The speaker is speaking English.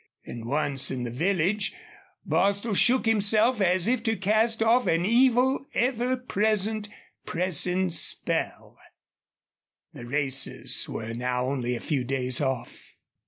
And once in the village, Bostil shook himself as if to cast off an evil, ever present, pressing spell. The races were now only a few days off.